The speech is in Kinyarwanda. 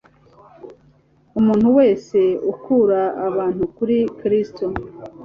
umuntu wese ukura abantu kuri Kristo,